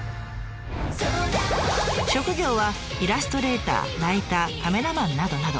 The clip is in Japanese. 職業はイラストレーターライターカメラマンなどなど。